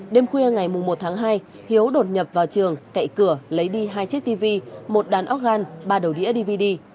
đêm khuya ngày một tháng hai hiếu đột nhập vào trường cậy cửa lấy đi hai chiếc tv một đàn organ ba đầu đĩa dvd